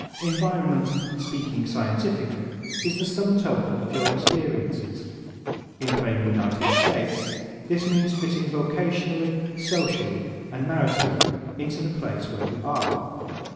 Environment, speaking scientifically, is the sum total of your experiences. In plain United States, this means fitting vocationally, socially and maritally into the place where you are.